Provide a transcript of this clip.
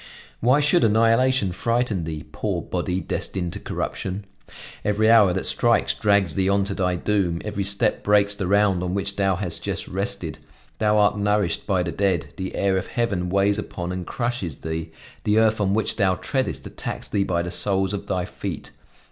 Why should annihilation frighten thee, poor body, destined to corruption? Every hour that strikes drags thee on to thy doom, every step breaks the round on which thou hast just rested; thou art nourished by the dead; the air of heaven weighs upon and crushes thee, the earth on which thou treadest attacks thee by the soles of thy feet.